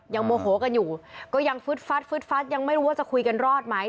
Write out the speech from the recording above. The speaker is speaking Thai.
โมโหกันอยู่ก็ยังฟึดฟัดฟึดฟัดยังไม่รู้ว่าจะคุยกันรอดไหม